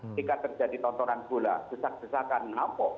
ketika terjadi tontonan gula